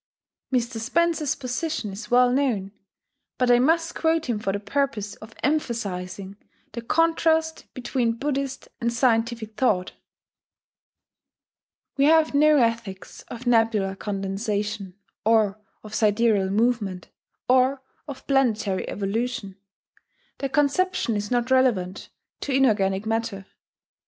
Mr. Spencer's position is well known; but I must quote him for the purpose of emphasizing the contrast between Buddhist and scientific thought: "...We have no ethics of nebular condensation, or of sidereal movement, or of planetary evolution; the conception is not relevant to inorganic matter.